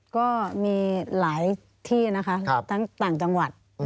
ก็มีหลายที่นะคะทั้งต่างจังหวัด